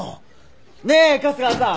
ねえ春日さん！